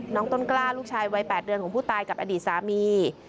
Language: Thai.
ต้นกล้าลูกชายวัย๘เดือนของผู้ตายกับอดีตสามี